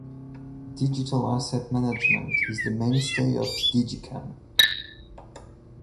Digital Asset Management is the mainstay of digiKam.